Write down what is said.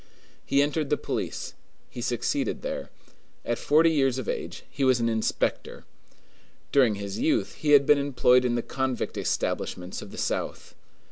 He entered the police; he succeeded there. At forty years of age he was an inspector. During his youth he had been employed in the convict establishments of the South.